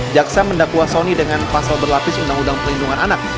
jaksa mendakwa soni dengan pasal berlapis undang undang perlindungan anak